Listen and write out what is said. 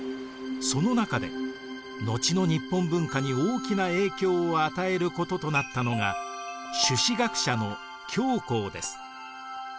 その中で後の日本文化に大きな影響を与えることとなったのが朱子学者の姜です。